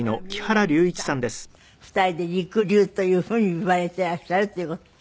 ２人で「りくりゅう」というふうに言われていらっしゃるっていう事で。